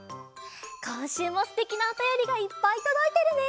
こんしゅうもすてきなおたよりがいっぱいとどいてるね！